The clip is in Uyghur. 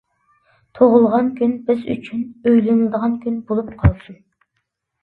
«تۇغۇلغان كۈن» بىز ئۈچۈن، «ئويلىنىدىغان كۈن» بولۇپ قالسۇن!